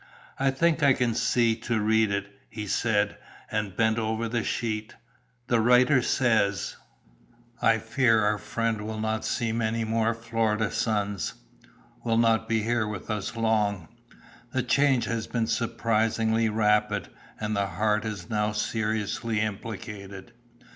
"I think I can see to read it," he said, and bent over the sheet. "The writer says: "I fear our friend will not see many more Florida suns; will not be here with us long. The change has been surprisingly rapid, and the heart is now seriously implicated.